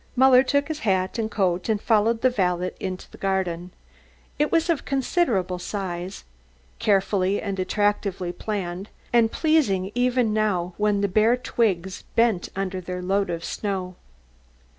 Muller took his hat and coat and followed the valet into the garden. It was of considerable size, carefully and attractively planned, and pleasing even now when the bare twigs bent under their load of snow.